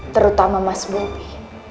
terutama mas bobby